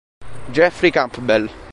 Jeffrey Campbell